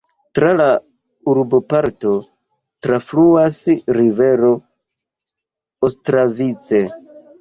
Tra la urboparto trafluas rivero Ostravice.